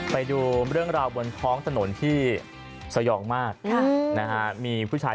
ไปดูเรื่องราวบนท้องถนนที่สยองมากมีผู้ชาย